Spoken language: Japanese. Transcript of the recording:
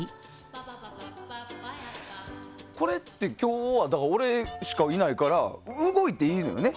これって今日は俺しかいないから動いていいのよね。